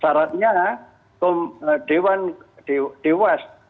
saratnya dewan dewas